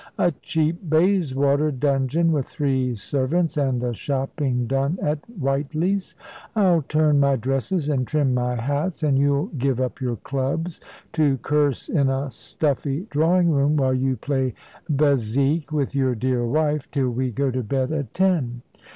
A cheap Bayswater dungeon, with three servants and the shopping done at Whiteley's. I'll turn my dresses and trim my hats and you'll give up your clubs, to curse in a stuffy drawing room while you play bezique with your dear wife, till we go to bed at ten.